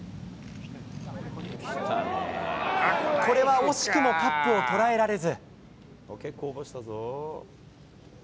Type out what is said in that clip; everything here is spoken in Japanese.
これは惜しくもカップを捉えられず。